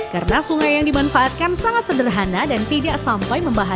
karena sungai yang dimanfaatkan sangat sederhana dan tidak sampai membahas